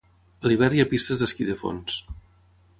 A l'hivern hi ha pistes d'esquí de fons.